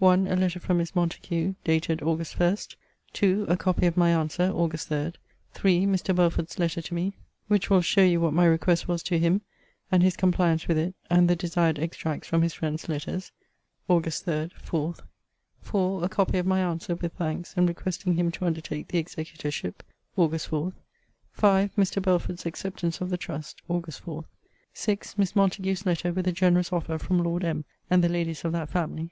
1. A letter from Miss Montague, dated .... Aug. 1. 2. A copy of my answer ........... Aug. 3. 3. Mr. Belford's Letter to me, which will show you what my request was to him, and his compliance with it; and the desired ex tracts from his friend's letters .... Aug. 3, 4. 4. A copy of my answer, with thanks; and re questing him to undertake the executor ship .................. Aug. 4. 5. Mr. Belford's acceptance of the trust .. Aug. 4. 6. Miss Montague's letter, with a generous offer from Lord M. and the Ladies of that family